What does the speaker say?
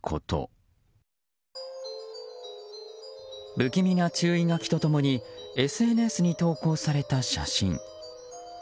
不気味な注意書きと共にＳＮＳに投稿された写真。